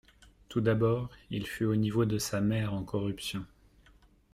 Tout d'abord, il fut au niveau de sa mère en corruption.